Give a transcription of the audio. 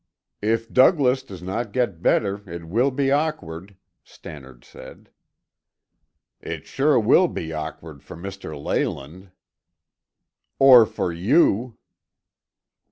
"If Douglas does not get better, it will be awkward," Stannard said. "It will sure be awkward for Mr. Leyland." "Or for you!"